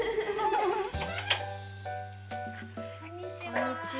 こんにちは。